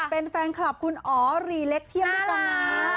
เป็นแฟนคลับคุณอ๋อรีเล็กเทียมด้วยกันนะ